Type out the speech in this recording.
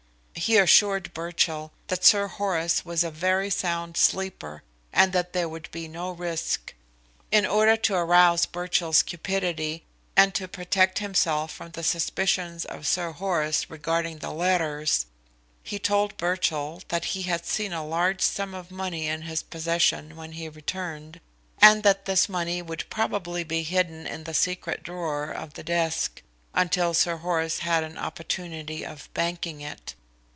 He assured Birchill that Sir Horace was a very sound sleeper and that there would be no risk. In order to arouse Birchill's cupidity and to protect himself from the suspicions of Sir Horace regarding the letters, he told Birchill that he had seen a large sum of money in his possession when he returned, and that this money would probably be hidden in the secret drawer of the desk, until Sir Horace had an opportunity of banking it.